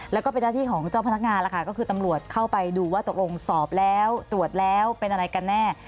แล้วก็เป็นหน้าที่ของเจ้าพนักงานแล้วค่ะก็คือตำรวจเข้าไปดูว่าตกลงสอบแล้วตรวจแล้วเป็นอะไรกันแน่